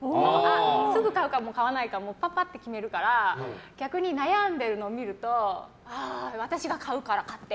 すぐ買うか買わないかもパパッて決めるから逆に悩んでいるのを見ると私が買うから買って！